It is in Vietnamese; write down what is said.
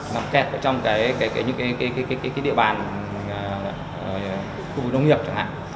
nằm kẹt trong những địa bàn khu vực nông nghiệp chẳng hạn